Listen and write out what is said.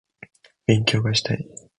勉強がしたい